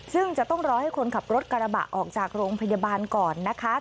ซึ่งจะต้องรอให้คนขับรถกระบะออกจากโรงพยาบาลก่อนนะคะ